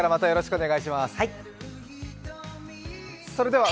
よろしくお願いします。